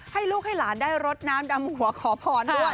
ให้ลูกให้หลานได้รดน้ำดำหัวขอพรด้วย